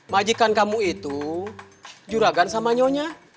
majikan kamu itu juragan sama nyonya